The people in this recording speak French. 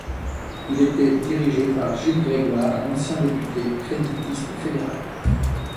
Il était dirigé par Gilles Grégoire, un ancien député créditiste fédéral.